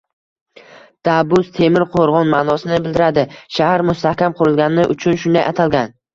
Dabus –temir qo‘rg‘on ma’nosini bildiradi. Shahar mustahkam qurilgani uchun shunday atalgan.